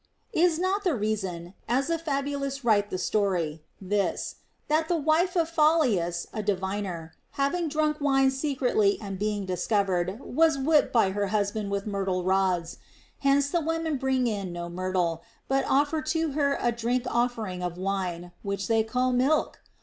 Is not the reason (as the fabulous write the story) this, that the wife of Faulius a diviner, having drunk wine secretly and being discovered, was whipped by her THE ROMAN QUESTIONS. 215 husband with myrtle rods ; hence the women bring in no myrtle, but offer to her a drink offering of wine, which they call milk?